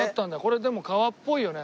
これでも川っぽいよね。